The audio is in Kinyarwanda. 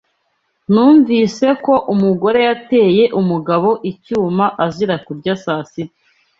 Numvise ko umugore yateye umugabo icyuma azira kurya saa sita.